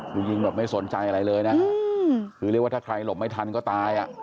คือยิงแบบไม่สนใจอะไรเลยนะคือเรียกว่าถ้าใครหลบไม่ทันก็ตายอ่ะ